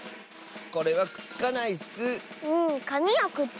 これはくっつかないッス！